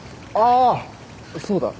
あそうだ。